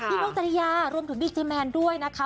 ปีนวงจริยารวมถึงดิจิแมนด้วยนะคะ